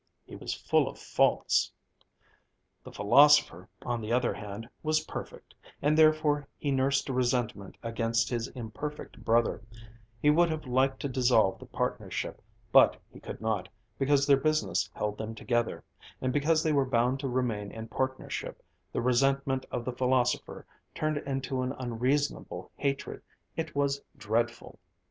He was full of faults! The philosopher, on the other hand, was perfect, and therefore he nursed resentment against his imperfect brother; he would have liked to dissolve the partnership, but he could not, because their business held them together; and because they were bound to remain in partnership, the resentment of the philosopher turned into an unreasonable hatred. It was dreadful!